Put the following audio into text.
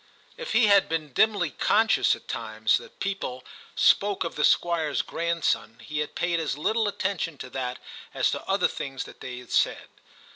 If he had been dimly conscious at times that people spoke of the Squire's grandson, he had paid as little CHAP. Ill TIM yj attention to that as to other things that they said.